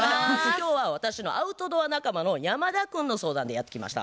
今日は私のアウトドア仲間の山田君の相談でやって来ました。